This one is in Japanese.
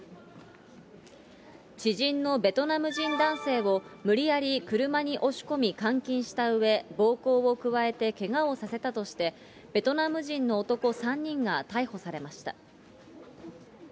知人のベトナム人男性を無理やり車に押し込み、監禁したうえ、暴行を加えてけがをさせたとして、ベトナム人の男３人が逮捕されました。